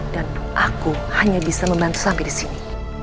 dan aku hanya bisa membantu sampai disini